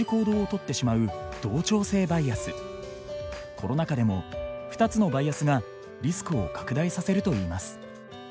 コロナ禍でも２つのバイアスがリスクを拡大させるといいます。